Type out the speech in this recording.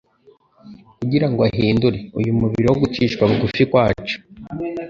kugira ngo ahindure "uyu mubiri wo gucishwa bugufi kwacu."